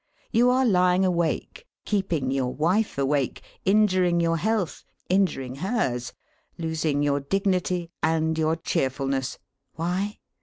You are lying awake, keeping your wife awake, injuring your health, injuring hers, losing your dignity and your cheerfulness. Why?